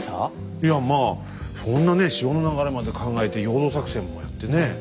いやまあそんなね潮の流れまで考えて陽動作戦もやってね。